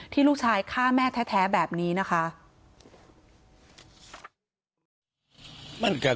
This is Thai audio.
ลูกชายฆ่าแม่แท้แบบนี้นะคะ